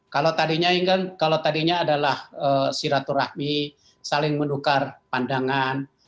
kalau tadinya adalah siraturahmi saling mendukar pandangan